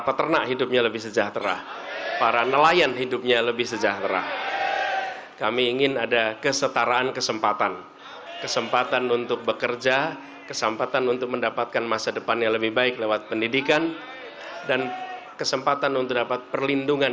perubahan yang kita lakukan adalah untuk memperbaiki kesehatan yang kita lakukan